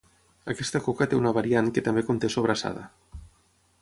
Aquesta coca té una variant que també conté sobrassada.